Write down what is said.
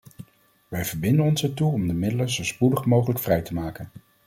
Wij verbinden ons ertoe om de middelen zo spoedig mogelijk vrij te maken.